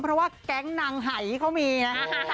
เพราะว่าแก๊งนางหายเขามีนะ